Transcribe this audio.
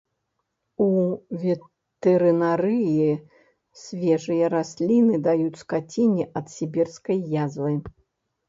У ветэрынарыі свежыя расліны даюць скаціне ад сібірскай язвы.